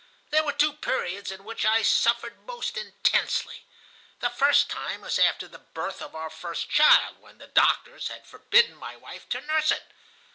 There were two periods in which I suffered most intensely. The first time was after the birth of our first child, when the doctors had forbidden my wife to nurse it.